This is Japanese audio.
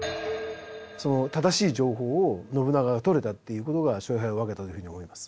その正しい情報を信長が取れたっていうことが勝敗を分けたというふうに思います。